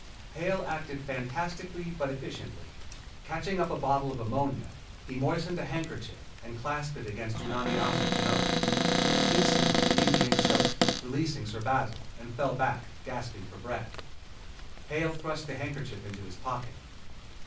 Hale acted fantastically but efficiently. Catching up a bottle of ammonia, he moistened a handkerchief and clapped it against Unani Assu's nose. Instantly the Indian choked, released Sir Basil, and fell back, gasping for breath. Hale thrust the handkerchief into his pocket.